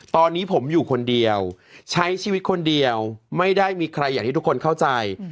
ตอนนี้ผมอยู่คนเดียวใช้ชีวิตคนเดียวไม่ได้มีใครอย่างที่ทุกคนเข้าใจ